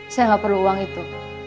saya nggak perlu uang itu